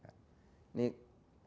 siapa yang memberikan sertifikat kelayakan